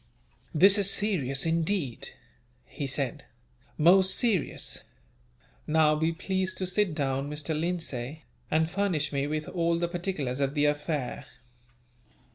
"This is serious, indeed," he said, "most serious. Now be pleased to sit down, Mr. Lindsay, and furnish me with all the particulars of the affair."